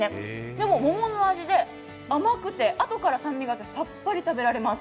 でも、桃の味で甘くてあとから酸味があってさっぱりといただけます。